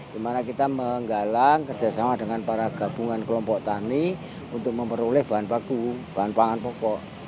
dimana kita menggalang kerjasama dengan para gabungan kelompok tani untuk memperoleh bahan baku bahan pangan pokok